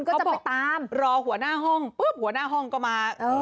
ก็จะไปตามรอหัวหน้าห้องปุ๊บหัวหน้าห้องก็มา